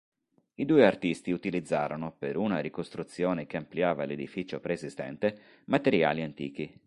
I due artisti utilizzarono, per una ricostruzione che ampliava l'edificio preesistente, materiali antichi.